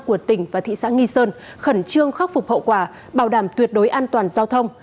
của tỉnh và thị xã nghi sơn khẩn trương khắc phục hậu quả bảo đảm tuyệt đối an toàn giao thông